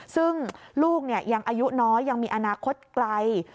ซึ่งลูกยังอายุน้อยยังมีอนาคตไกล